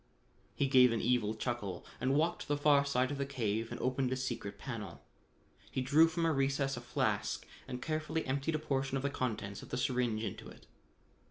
He gave an evil chuckle and walked to the far side of the cave and opened a secret panel. He drew from a recess a flask and carefully emptied a portion of the contents of the syringe into it.